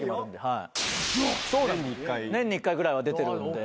年に１回ぐらいは出てるんで。